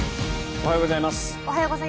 おはようございます。